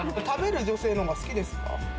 食べる女性のほうが好きですか？